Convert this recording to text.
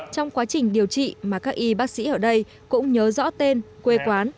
trong quá trình điều trị mà các y bác sĩ ở đây cũng nhớ rõ tên quê quán